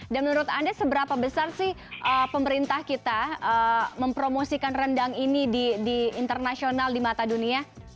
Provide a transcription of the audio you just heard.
dan menurut anda seberapa besar sih pemerintah kita mempromosikan rendang ini di internasional di mata dunia